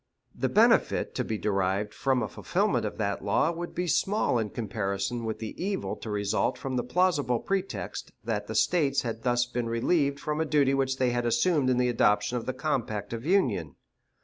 The benefit to be derived from a fulfillment of that law would be small in comparison with the evil to result from the plausible pretext that the States had thus been relieved from a duty which they had assumed in the adoption of the compact of union.